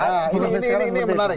saya harus komentar